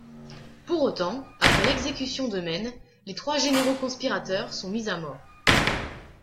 Pour autant, après l'exécution d'Eumène, les trois généraux conspirateurs sont mis à mort.